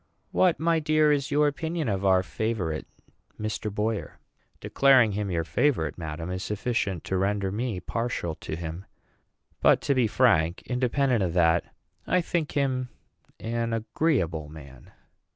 "What, my dear, is your opinion of our favorite, Mr. Boyer?" "Declaring him your favorite, madam, is sufficient to render me partial to him; but to be frank, independent of that, I think him an agreeable man."